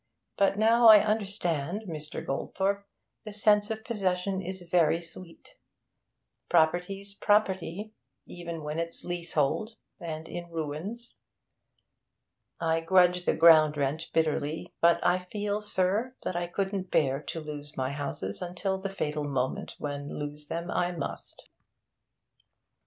But now I understand, Mr. Goldthorpe; the sense of possession is very sweet. Property's property, even when it's leasehold and in ruins. I grudge the ground rent bitterly, but I feel, sir, that I couldn't bear to lose my houses until the fatal moment, when lose them I must.'